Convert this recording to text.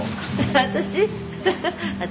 私？